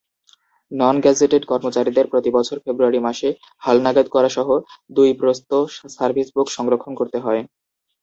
Non-gazetted কর্মচারীদের প্রতিবছর ফেব্রুয়ারি মাসে হালনাগাদ করাসহ দুই প্রস্ত সার্ভিসবুক সংরক্ষণ করতে হয়।